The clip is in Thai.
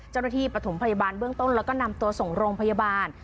ประถมพยาบาลเบื้องต้นแล้วก็นำตัวส่งโรงพยาบาล